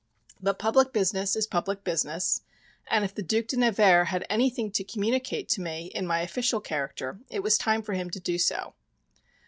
But public business is public business, and if the Duc de Nevers had anything to communicate to me in my official character it was time for him to do so.